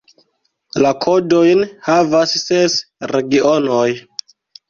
La kodojn havas ses regionoj.